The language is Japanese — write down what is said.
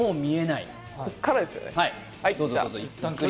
ここからですよね。